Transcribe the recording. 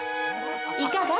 「いかが？